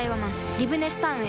リブネスタウンへ